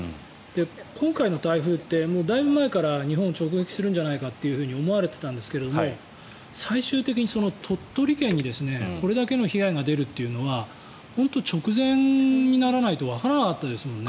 今回の台風ってだいぶ前から日本を直撃するんじゃないかと思われていましたが最終的に、鳥取県にこれだけの被害が出るというのは本当に直前にならないとわからなかったですよね。